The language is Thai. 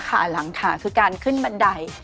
ขาหลังขาคือการขึ้นบันได